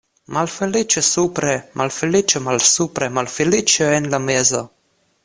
Malfeliĉo supre, malfeliĉo malsupre, malfeliĉo en la mezo.